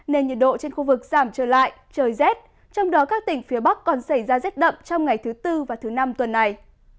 nên nhiệt độ trên khu vực giảm trở lại trời rét trong đó các tỉnh phía bắc còn xảy ra rét đậm trong ngày thứ tư và thứ năm tuần này